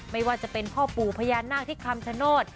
ไม่ว่าจะเป็นพ่อปู่พญานาคที่คำชโนธ